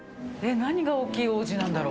何が大きい王子なんだろう。